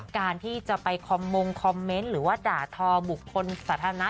การที่จะไปคอมมงคอมเมนต์หรือว่าด่าทอบุคคลสาธารณะ